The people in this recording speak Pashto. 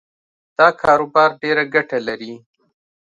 دا کاروبار ډېره ګټه لري